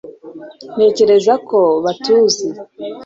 ntekereza ko batuzi